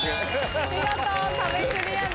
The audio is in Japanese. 見事壁クリアです。